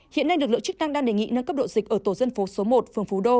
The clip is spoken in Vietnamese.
hiện nay lực lượng chức năng đang đề nghị nâng cấp độ dịch ở tổ dân phố số một phường phú đô